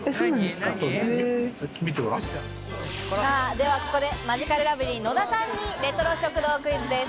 ではここでマヂカルラブリー・野田さんにレトロ食堂クイズです。